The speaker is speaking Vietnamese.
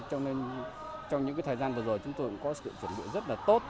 cho nên trong những thời gian vừa rồi chúng tôi cũng có sự chuẩn bị rất là tốt